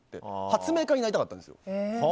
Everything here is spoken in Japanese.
発明家になりたかったんです。